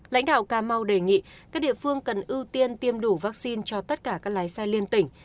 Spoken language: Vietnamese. lãnh đạo cà mau đề nghị các địa phương cần ưu tiên tiêm đủ vaccine cho tất cả các lái xe liên tỉnh